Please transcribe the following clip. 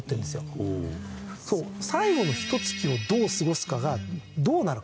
そう最後のひと月をどう過ごすかがどうなるか。